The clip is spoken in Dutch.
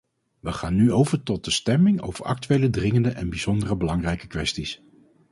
We gaan nu over tot de stemming over actuele, dringende en bijzonder belangrijke kwesties.